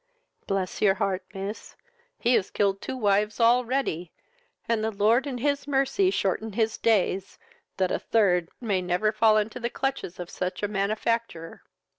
"Bless your heart, miss, he has killed two wives already, and the Lord in his mercy shorten his days, that a third my never fall into the clutches of such a manufactor!